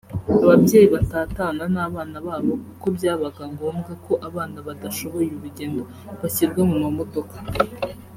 ababyeyi batatana n’abana babo kuko byabaga ngombwa ko abana badashoboye urugendo bashyirwa mu ma modoka